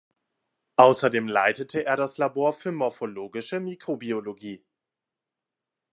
Außerdem leitete er das Labor für morphologische Mikrobiologie.